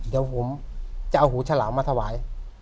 เดี๋ยวผมจะเอาหูฉลามมาถวาย